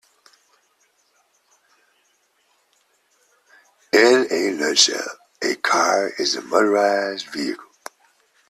In a nutshell, a car is a motorized vehicle.